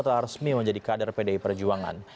atau resmi menjadi kader pdi perjuangan